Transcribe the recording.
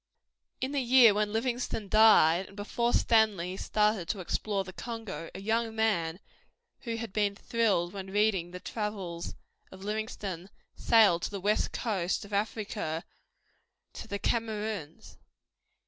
In the year when Livingstone died, and before Stanley started to explore the Congo, a young man, who had been thrilled by reading the travels of Livingstone, sailed to the West Coast of Africa to the Kameruns.